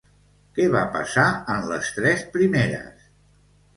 Què va passar en les tres primeres?